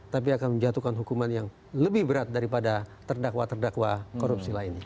tapi akan menjatuhkan hukuman yang lebih berat daripada terdakwa terdakwa korupsi lainnya